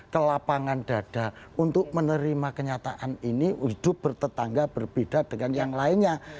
ke lapangan dada untuk menerima kenyataan ini hidup bertetangga berbeda dengan yang lainnya